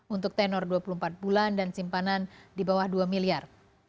untuk tenor dua puluh empat bulan dan simpanan di bawah dua miliar